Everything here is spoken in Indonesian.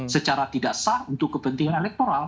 secara tidak sah untuk kepentingan elektoral